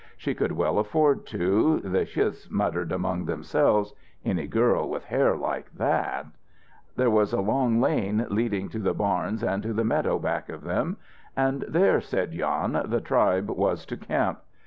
She could well afford to, the chis muttered among themselves. Any girl with hair like that There was a long lane leading to the barns and to the meadow back of them, and there, said Jan, the tribe was to camp.